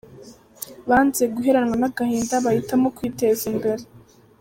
Banze guheranwa n’agahinda bahitamo kwiteza imbere